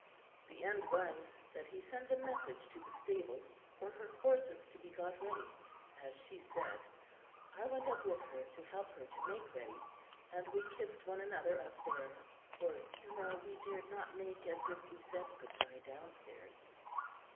The end was that he sent a message to the stables for her horses to be got ready, as she said. I went up with her to help her to make ready, and we kissed one another up there, for, you know, we dared not make as if we said good bye downstairs.